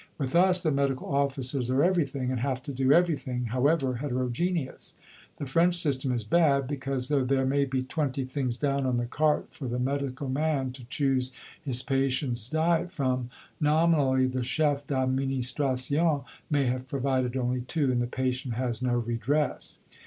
With us the Medical Officers are everything, and have to do everything, however heterogeneous. The French system is bad, because, though there may be twenty things down on the Carte for the Medical Man to choose his patient's diet from, nominally, the Chef d'Administration may have provided only two, and the Patient has no redress.